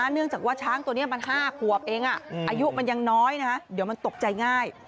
เนื่องจากว่าช้างตัวนี้มัน๕ขวบเองอายุมันยังน้อยเดี๋ยวมันตกใจง่าย